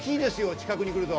近くに来ると。